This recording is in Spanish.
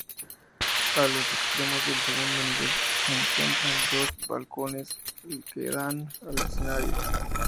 A los extremos del segundo nivel se encuentran dos balcones que dan al escenario.